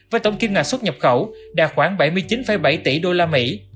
với tổng kim ngạch xuất nhập khẩu đạt khoảng bảy mươi chín bảy tỷ đô la mỹ